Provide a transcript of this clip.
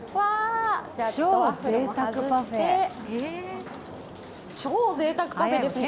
ワッフルを外して超ぜいたくパフェですね。